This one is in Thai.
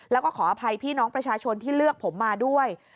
แล้วก็ขออภัยพี่น้องประชาชนที่เลือกผมมาด้วย